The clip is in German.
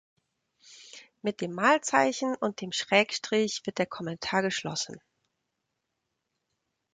Mit dem Mal-Zeichen und dem Schrägstrich wird der Kommentar geschlossen.